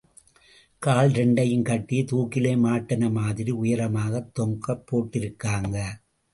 கால் இரண்டையும் கட்டி தூக்கிலே மாட்டுனெ மாதிரி உயரமா தொங்கப் போட்டிருக்காகங்க!